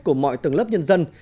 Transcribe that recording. của mọi tầng lớp nhân dân